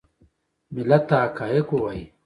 ملت ته حقایق ووایي .